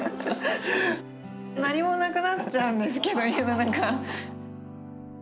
何もなくなっちゃうんですけど家の中。